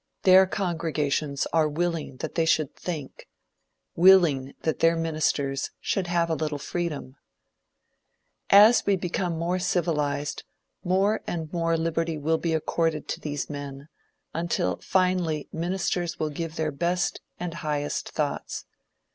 Their congregations are willing that they should think willing that their ministers should have a little freedom. As we become civilized, more and more liberty will be accorded to these men, until finally ministers will give their best and highest thoughts.